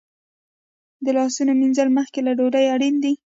د لاسونو مینځل مخکې له ډوډۍ اړین دي.